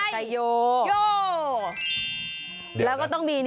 ใช่